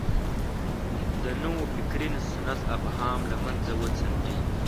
د نوفکرۍ سنت ابهام له مخه وڅنډي.